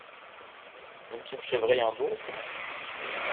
Aimes-tu le chevreuil en daube?